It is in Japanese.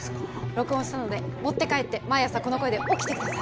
録音したので持って帰って毎朝この声で起きてください。